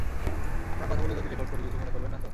আপনার কথাগুলো যদি রেকর্ড করি কিছু মনে করবেননা তো?